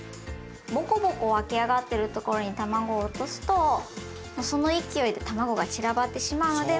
ぼこぼこ湧き上がっているところにたまごを落とすとその勢いでたまごが散らばってしまうので。